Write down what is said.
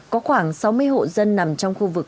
có khoảng sáu mươi hộ dân nằm trong khu vực